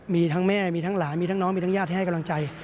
มีทั้งแม่มีทั้งหลานมีทั้งน้องมีทั้งญาติที่ให้กำลังใจ